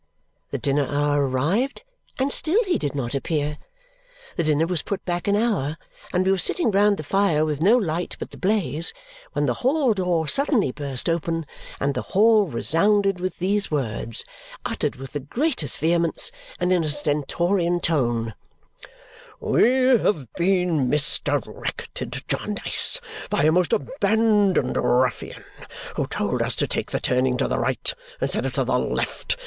The dinner hour arrived, and still he did not appear. The dinner was put back an hour, and we were sitting round the fire with no light but the blaze when the hall door suddenly burst open and the hall resounded with these words, uttered with the greatest vehemence and in a stentorian tone: "We have been misdirected, Jarndyce, by a most abandoned ruffian, who told us to take the turning to the right instead of to the left.